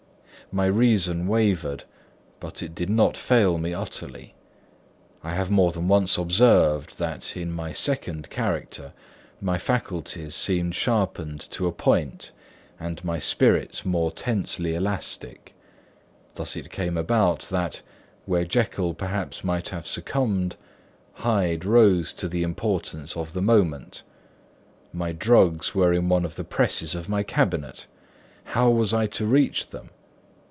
My reason wavered, but it did not fail me utterly. I have more than once observed that in my second character, my faculties seemed sharpened to a point and my spirits more tensely elastic; thus it came about that, where Jekyll perhaps might have succumbed, Hyde rose to the importance of the moment. My drugs were in one of the presses of my cabinet; how was I to reach them?